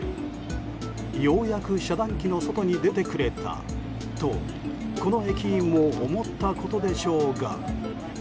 ようやく遮断機の外に出てくれたとこの駅員も思ったことでしょうが。